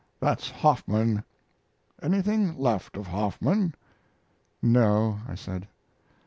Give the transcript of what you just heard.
"That's Hoffman. Anything left of Hoffman?" "No," I said.